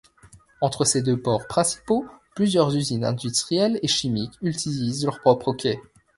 Entre ces deux ports principaux, plusieurs usines industrielles et chimiques utilisent leurs propres quais.